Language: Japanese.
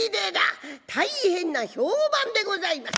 大変な評判でございます。